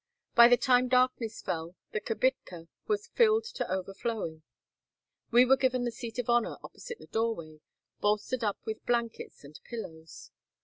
By the time darkness fell the kibitka was filled to overflowing. We were given the seat of honor opposite the doorway, bolstered up with blankets and pillows.